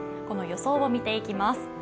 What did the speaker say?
この予想を見ていきます。